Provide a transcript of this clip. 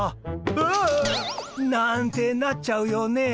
「うわあ！」。なんてなっちゃうよね。